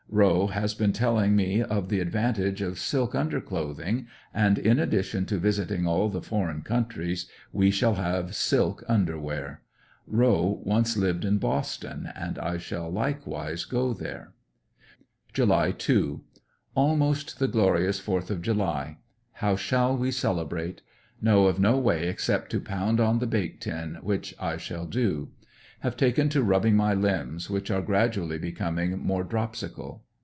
Rowe has been telling me of the advantage of silk under clothing, and in addition to visiting all the foreign countries, we shall have silk under wear. Rowe once lived in Boston, and 1 shall likewise go there. July 2. — Almost the Glorious Fourth of July. How shall we celebrate? Know of no way except to pound on the bake tin, which I shall do. Have taken to rubbing my limbs, which are gradually becoming more dropsical.